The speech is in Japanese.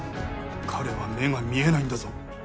彼は目が見えないんだぞ